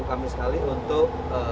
kami sekali untuk